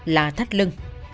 là thắt lưng